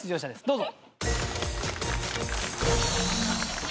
どうぞ。